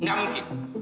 nggak mungkin itu sylvia